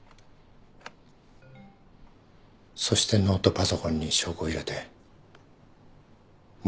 そしてノートパソコンに証拠を入れて目撃者を用意した。